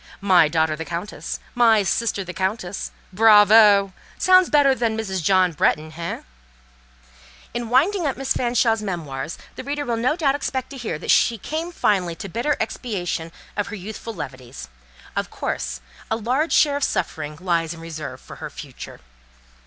'My daughter the Countess!' 'My sister the Countess!' Bravo! Sounds rather better than Mrs. John Bretton, hein?" In winding up Mistress Fanshawe's memoirs, the reader will no doubt expect to hear that she came finally to bitter expiation of her youthful levities. Of course, a large share of suffering lies in reserve for her future.